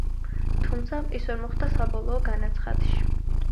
თუმცა, ის ვერ მოხვდა საბოლოო განაცხადში.